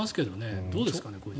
どうですかね？